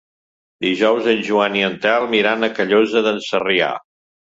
Dijous en Joan i en Telm iran a Callosa d'en Sarrià.